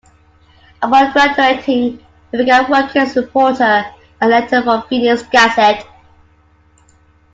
Upon graduating, he began working as a reporter and editor for the "Phoenix Gazette".